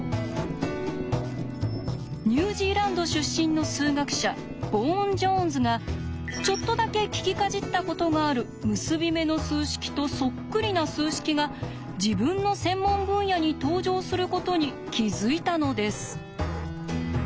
ニュージーランド出身の数学者ヴォーン・ジョーンズがちょっとだけ聞きかじったことがある結び目の数式とそっくりな数式が自分の専門分野に登場することに気付いたのです。